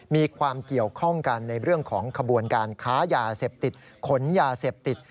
มีความเกี่ยวข้องกันในเรื่องของขบวนการค้ายาเสพติดขนยาเสพติด